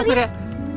aduh aduh aduh